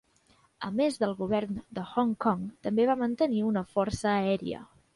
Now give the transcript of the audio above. A més, el Govern de Hong Kong també va mantenir una "força aèria".